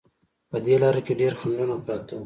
په دې لاره کې ډېر خنډونه پراته وو.